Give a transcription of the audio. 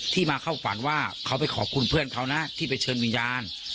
มาเข้าฝันว่าเขาไปขอบคุณเพื่อนเขานะที่ไปเชิญวิญญาณ